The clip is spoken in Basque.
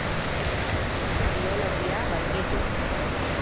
Ez du biologia gainditu.